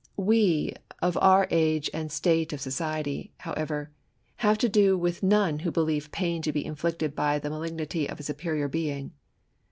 We, of our age and state of society, however, have to do with none who believe pain to :be inflicted by the nialignity of a superior being.